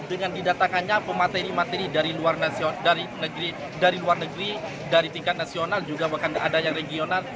dengan didatakannya pemateri materi dari luar negeri dari tingkat nasional juga bahkan ada yang regional